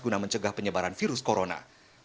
guna mencegah penyebaran virus corona